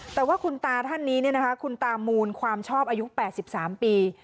แต่ว่าคุณตาท่านนี้เนี่ยนะคะคุณตามูลความชอบอายุแปดสิบสามปี